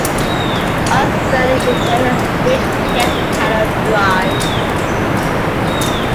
Australia it aired as Rich Kids: Cattle Drive.